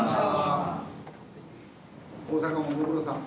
大阪もご苦労さん。